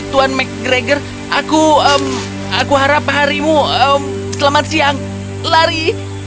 tuan mcgregor aku aku harap harimu selamat siang lari